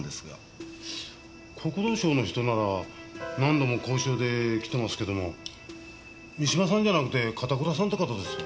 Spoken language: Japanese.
国土省の人なら何度も交渉で来てますけども三島さんじゃなくて片倉さんって方ですよ。